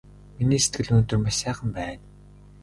Миний сэтгэл өнөөдөр маш сайхан байна!